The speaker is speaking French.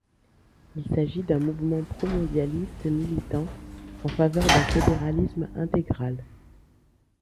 Il s'agit d'un mouvement promondialiste militant en faveur d'un fédéralisme intégral.